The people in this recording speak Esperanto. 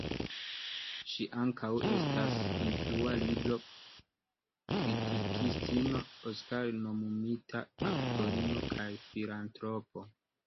Ŝi ankaŭ estas influa libro-kritikistino, Oskar-nomumita aktorino, kaj filantropo.